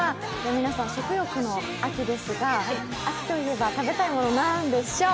皆さん、食欲の秋ですが、秋といえば食べたいもの、何でしょう。